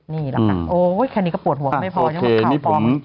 นี่ละโอ้ยแค่นี้ก็ปวดหัวไม่พอ